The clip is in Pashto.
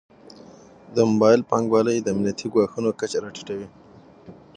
د موبایل بانکوالي د امنیتي ګواښونو کچه راټیټوي.